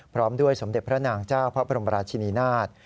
พร้อมด้วยสมเด็จพระนางเจ้าพระบรมราชินีนาฏ